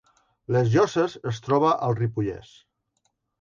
Les Lloses es troba al Ripollès